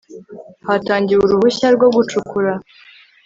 hatangiwe uruhushya rwo gucukura